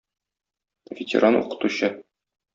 ветеран укытучы.